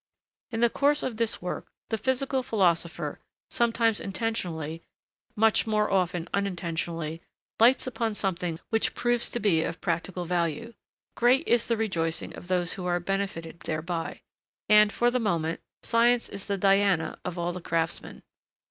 In the course of this work, the physical philosopher, sometimes intentionally, much more often unintentionally, lights upon something which proves to be of practical value. Great is the rejoicing of those who are benefited thereby; and, for the moment, science is the Diana of all the craftsmen.